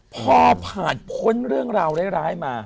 พอผ่านพ้นเรื่องราวร้ายมา